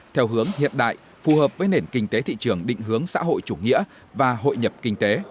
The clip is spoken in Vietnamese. theo hướng hiện đại phù hợp với nền kinh tế thị trường định hướng xã hội chủ nghĩa và hội nhập kinh tế